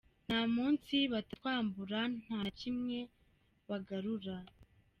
Nta munsi batatwambura, nta na kimwe bagarura.”